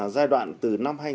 giai đoạn thứ hai là giai đoạn